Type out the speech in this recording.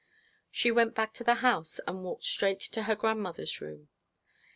She went back to the house, and walked straight to her grandmother's room.